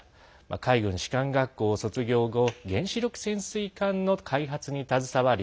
海軍士官学校を卒業後原子力潜水艦の開発に携わり